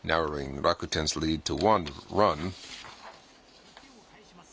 １点を返します。